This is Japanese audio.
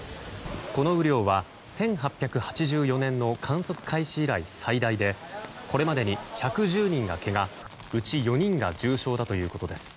この雨量は１８８４年の観測開始以来最大でこれまでに１１０人がけがうち４人が重傷だということです。